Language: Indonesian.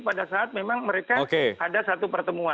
pada saat memang mereka ada satu pertemuan